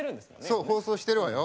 そう放送してるわよ。